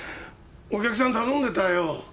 お客さん頼んでたよ。